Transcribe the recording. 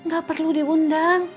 gak perlu diundang